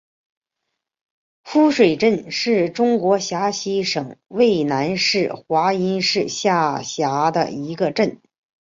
夫水镇是中国陕西省渭南市华阴市下辖的一个镇。